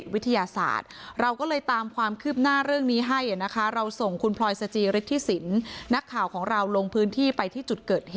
วิทยาศาสตร์เราก็เลยตามความคืบหน้าเรื่องนี้ให้นะคาเราส่งคุณพลอยสจิิริตฮิสินนักข่าวของเราลงพื้นที่ไปที่